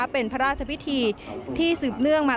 เป็นพระราชพิธีที่สืบเนื่องมา